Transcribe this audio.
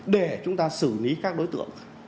để chúng ta xử lý các đối tượng